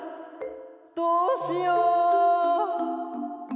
どうしよう！